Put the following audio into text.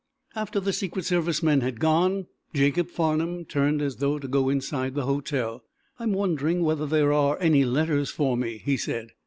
After, the Secret Service men had gone, Jacob Farnum turned as though to go inside the hotel. "I'm wondering whether there are any letters for me," he said.